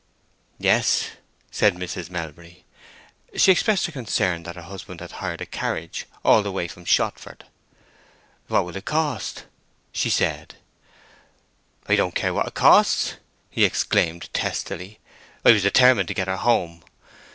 "Yes," said Mrs. Melbury. She expressed her concern that her husband had hired a carriage all the way from Shottsford. "What it will cost!" she said. "I don't care what it costs!" he exclaimed, testily. "I was determined to get her home.